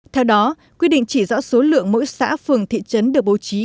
theo đó quy định chỉ rõ số lượng mỗi xã phường thị trấn được bố trí